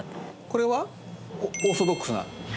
これはオーソドックスな？